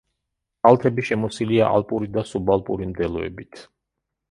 კალთები შემოსილია ალპური და სუბალპური მდელოებით.